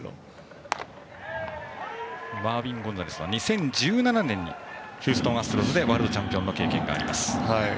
マーウィン・ゴンザレスは２０１７年にヒューストン・アストロズでワールドチャンピオンの経験があって。